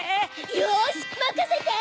よしまかせて！